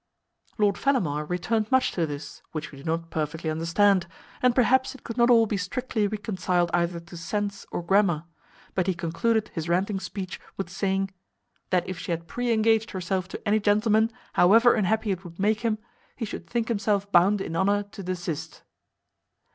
Lord Fellamar returned much to this, which we do not perfectly understand, and perhaps it could not all be strictly reconciled either to sense or grammar; but he concluded his ranting speech with saying, "That if she had pre engaged herself to any gentleman, however unhappy it would make him, he should think himself bound in honour to desist."